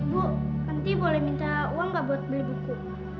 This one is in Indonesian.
bu nanti boleh minta uang nggak buat beli buku